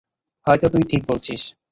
হয়তো তুই ঠিক বলছিস।